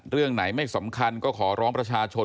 เรื่องไหนไม่สำคัญก็ขอร้องประชาชน